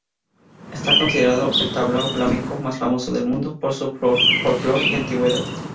Está considerado el tablao flamenco más famoso del mundo por su folclore y antigüedad.